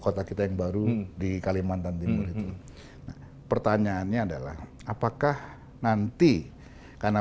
kota kita yang baru di kalimantan timur itu pertanyaannya adalah apakah nanti karena